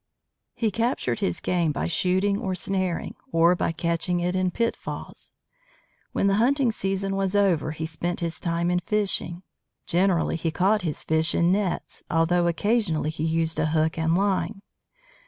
He captured his game by shooting or snaring, or by catching it in pitfalls. When the hunting season was over he spent his time in fishing. Generally he caught his fish in nets, although occasionally he used a hook and line.